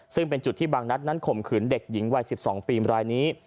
ซึ่งเป็นจุดที่บางนัดนั้นข่มขืนเด็กหญิงวัย๑๒ปีรายนี้